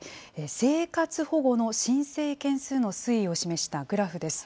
生活保護の申請件数の推移を示したグラフです。